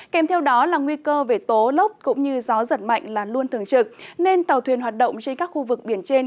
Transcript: kèm theo đó là nguy cơ về tố lốc cũng như gió giật mạnh là luôn thường trực nên tàu thuyền hoạt động trên các khu vực biển trên